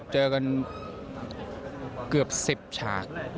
เจอกันเกือบ๑๐ฉาก